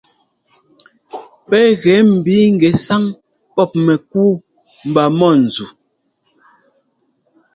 Pɛ́ gɛ ḿbi ŋgɛsáŋ pɔ́p mɛkúu mba mɔ̂nzu.